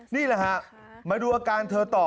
นี่แหละฮะมาดูอาการเธอต่อ